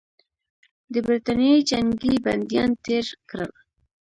د برټانیې جنګي بندیان تېر کړل.